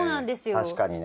確かにね。